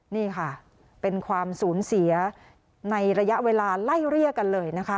นี่ค่ะเป็นความสูญเสียในระยะเวลาไล่เรียกกันเลยนะคะ